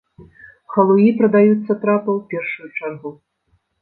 Халуі прадаюць сатрапа ў першую чаргу.